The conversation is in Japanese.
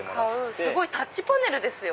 すごい！タッチパネルですよ。